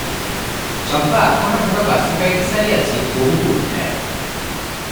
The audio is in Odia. ଚମ୍ପା ଆପଣା ଘର ବାସିପାଇଟି ସାରି ଆସି ବୋହୁକୁ ଉଠାଏ ।